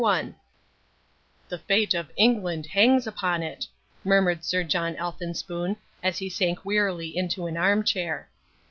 _ CHAPTER I "The fate of England hangs upon it," murmured Sir John Elphinspoon, as he sank wearily into an armchair.